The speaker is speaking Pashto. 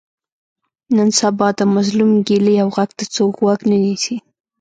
نن سبا د مظلوم ګیلې او غږ ته څوک غوږ نه نیسي.